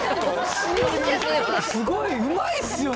すごいうまいっすよね。